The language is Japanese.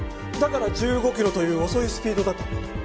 だから１５キロという遅いスピードだったんだ。